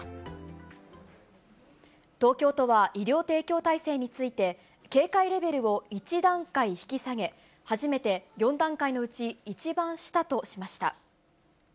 東京都は、医療提供体制について、警戒レベルを１段階引き下げ、初めて４段階のうち一番下としました。